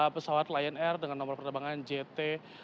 pesawat lion air dengan nomor penerbangan jt enam ratus sepuluh